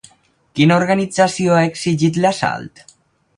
Quina organització ha exigit l'assalt?